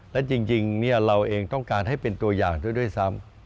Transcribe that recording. และจริงเราเองต้องการให้เป็นตัวอย่างด้วยซ้ำ